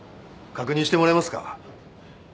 確認してもらえますか？